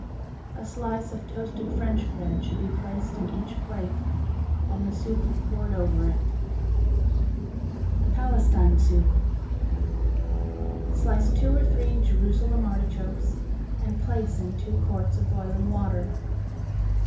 A slice of toasted French bread should be placed in each plate, and the soup poured over it. Palestine Soup Slice two or three Jerusalem artichokes and place in two quarts of boiling water.